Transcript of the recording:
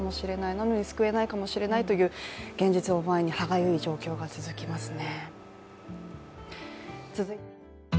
なのに救えないかもしれないという現実を前に歯がゆい状況が続きますね。